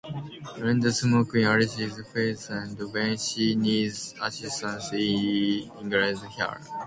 He blows smoke in Alice's face and when she needs assistance he ignores her.